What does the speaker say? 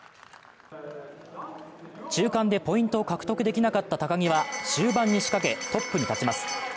中間でポイントを獲得できなかった高木は終盤に仕掛け、トップに立ちます。